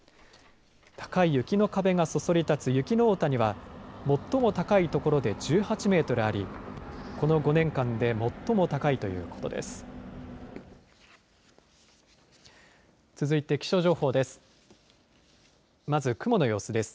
高い雪の壁がそそり立つ雪の大谷は最も高いところで１８メートルありこの５年間で最も高いということです。